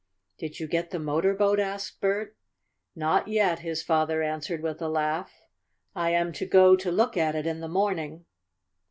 "Did you get the motor boat?" asked Bert. "Not yet," his father answered with a laugh. "I am to go to look at it in the morning."